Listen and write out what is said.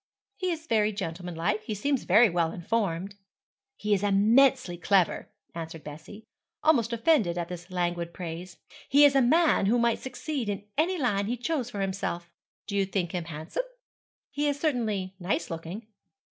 'He is very gentlemanlike; he seems very well informed.' 'He is immensely clever,' answered Bessie, almost offended at this languid praise; 'he is a man who might succeed in any line he chose for himself. Do you think him handsome?' 'He is certainly nice looking.'